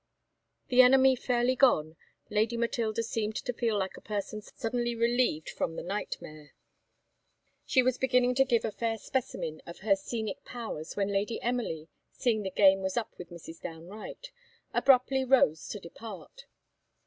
The enemy fairly gone, Lady Matilda seemed to feel like a person suddenly relieved from the nightmare; and she was beginning to give a fair specimen of her scenic powers when Lady Emily, seeing the game was up with Mrs. Downe Wright, abruptly rose to depart.